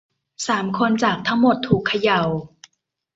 สามคนจากทั้งหมดถูกเขย่า